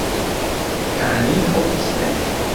هانی خەڵکی سنەیە